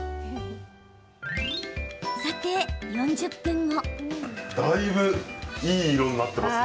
さて、４０分後。